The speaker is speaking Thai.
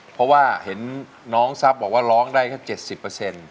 เพราะว่าเห็นน้องซับบอกว่าร้องได้แค่เจ็ดสิบเปอร์เซ็นท์